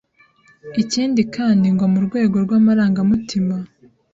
Ikindi kandi ngo mu rwego rw’amarangamutima,